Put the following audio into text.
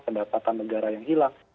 pendapatan negara yang hilang